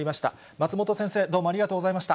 松本先生、どうもありがとうございました。